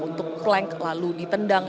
untuk plank lalu ditendang